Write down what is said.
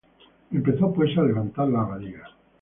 Empezó, pues, a levantar la abadía.